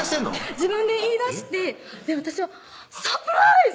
自分で言いだして私はサプライズ！